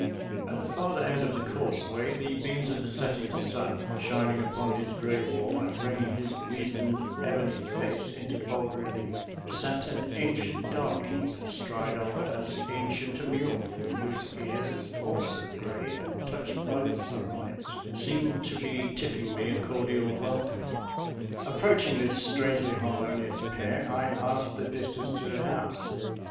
At the farther end of the causeway, the beams of the setting sun shining upon his gray wool and bringing his weazened ebony face into bold relief, sat an ancient darky astride of as ancient a mule, whose ears, also gray and touched by the sunlight, seemed to be tip ping me a cordial welcome. Approaching this strangely harmonious pair, I asked the distance to the house.